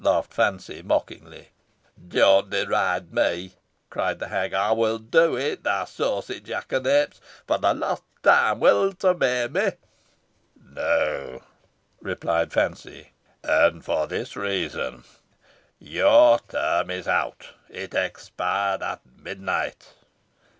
laughed Fancy, mockingly. "Dost deride me?" cried the hag. "I will do it, thou saucy jackanapes. For the last time, wilt obey me?" "No," replied Fancy, "and for this reason your term is out. It expired at midnight."